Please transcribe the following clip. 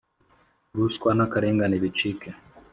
ruswa n akarengane bicike